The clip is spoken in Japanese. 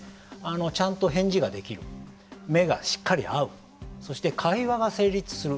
ちゃんと返事ができる目がしっかり合うそして会話が成立する。